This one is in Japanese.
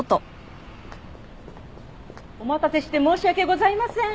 お待たせして申し訳ございません。